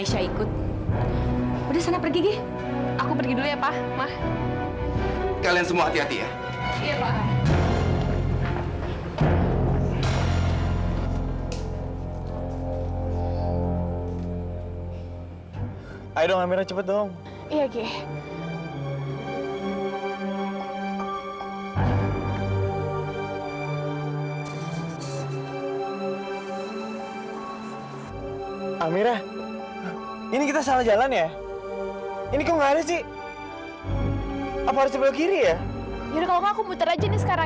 yaudah kalau gak aku muter aja nih sekarang ya